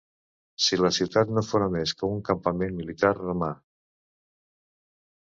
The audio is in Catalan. Si la ciutat no fora més que un campament militar romà.